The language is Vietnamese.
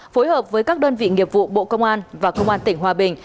phối hợp với các đơn vị nghiệp vụ bộ công an và công an tỉnh hòa bình